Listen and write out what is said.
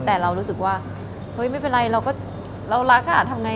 แต่เรารู้สึกว่าเฮ้ยไม่เป็นไรเราก็เรารักอ่ะทำไง